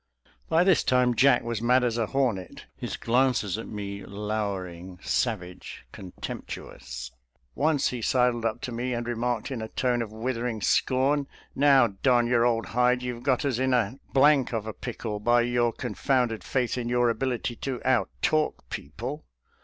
By this time Jack was mad as a hornet, his glances at me lowering, savage, contemptuous; once he sidled up to me and remarked in a tone of withering scorn, " Now, darn your old hide, you've got us in a of a pickle by your con founded faith in your ability to out talk people."